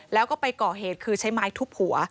แล้วก็ไปก่อเหตุคือใช้ไม้ทุบหัว